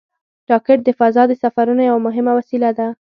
راکټ د فضا د سفرونو یوه مهمه وسیله ده